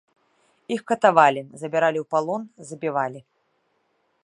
Іх катавалі, забіралі ў палон, забівалі.